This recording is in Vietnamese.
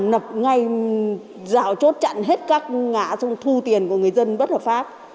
làm ngay rào chốt chặn hết các ngã xong thu tiền của người dân bất hợp pháp